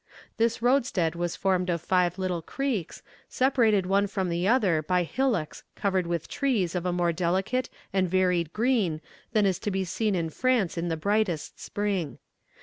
"This roadstead was formed of five little creeks, separated one from the other by hillocks covered with trees of a more delicate and varied green than is to be seen in France in the brightest spring.